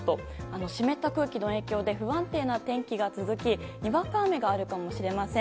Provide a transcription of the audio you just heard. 湿った空気の影響で不安定な天気が続きにわか雨があるかもしれません。